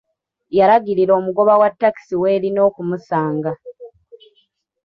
Yalagirira omugoba wa takisi welina okumusanga.